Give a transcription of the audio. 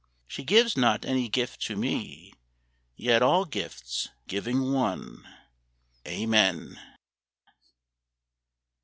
She gives not any gift to me Yet all gifts, giving one.... Amen.